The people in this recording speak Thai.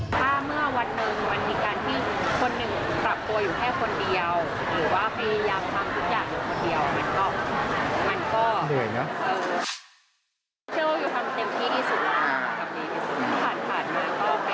ถ้าเมื่อวันหนึ่งมันเป็นการที่